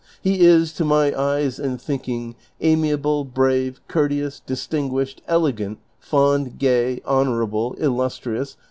He is, to my eyes and thinking. Amiable, Brave, Courteous. Distinguished, P^legant, Fond, Gay, Honorable, Illustrious.